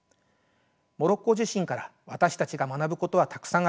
モロッコ地震から私たちが学ぶことはたくさんあります。